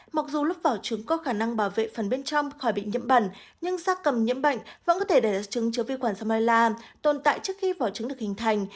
mặc dù lúc vỏ trứng có khả năng bảo vệ phần bên trong khỏi bị nhiễm bẩn nhưng xác cầm nhiễm bệnh vẫn có thể đẩy ra trứng chứa vi khuẩn salmonella tồn tại trước khi vỏ trứng được hình thành